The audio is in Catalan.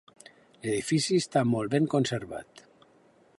L'edifici està molt ben conservat.